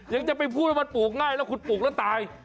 ยังจะไปพูดว่ามันปลูกง่ายแล้วคุณปลูกแล้วตาย